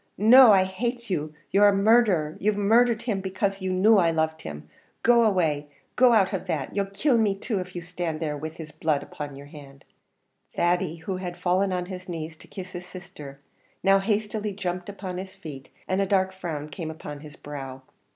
no; I hate you you're a murdherer; you've murdhered him because you knew I loved him; go away go out of that; you'll kill me too if you stand there with his blood upon your hand!" Thady, who had fallen on his knees to kiss his sister, now hastily jumped upon his feet, and a dark frown came upon his brow.